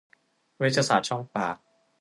เวชศาสตร์ช่องปาก